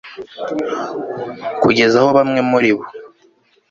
kugeza aho bamwe muri bo